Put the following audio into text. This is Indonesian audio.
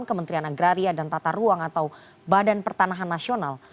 kementerian agraria dan tata ruang atau badan pertanahan nasional